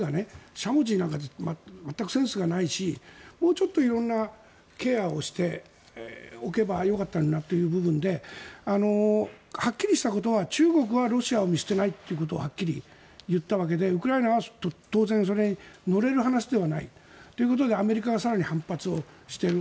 しゃもじなんか全くセンスがないしもうちょっと色んなケアをしておけばよかったなというのではっきりしたことは中国はロシアを見捨てないということをはっきり言ったわけでウクライナは当然それに乗れる話ではない。ということでアメリカが更に反発している。